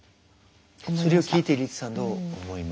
それを聞いてリツさんどう思いましたか？